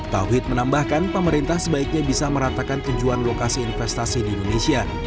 tauhid menambahkan pemerintah sebaiknya bisa meratakan tujuan lokasi investasi di indonesia